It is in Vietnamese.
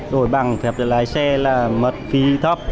đổi bằng phép lái xe là mật phí thấp